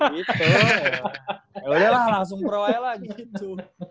yaudahlah langsung pro aja lah gitu